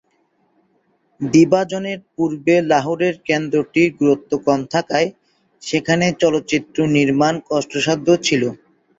বিভাজনের পূর্বে লাহোরের কেন্দ্রটির গুরুত্ব কম থাকায় সেখানে চলচ্চিত্র নির্মাণ কষ্টসাধ্য ছিল।